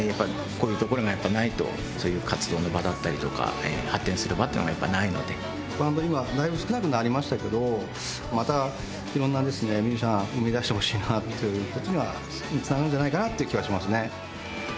こういう所がやっぱりないとそういう活動の場だったりとか発展する場っていうのがやっぱないのでバンド今だいぶ少なくなりましたけどまた色んなですねミュージシャン生みだしてほしいなってことが伝わるんじゃないかなっていう気はしますね